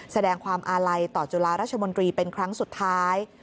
แสดงความอาลัยต่อจุฬาราชมนตรีเป็นครั้งสุดท้าย